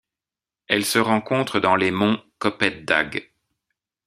Elle se rencontre dans les monts Kopet-Dag.